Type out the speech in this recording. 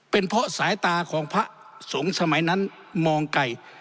เป็นเพราะสายตาของพระสงฆ์สมัยนั้นมองไกล